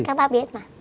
các bác biết mà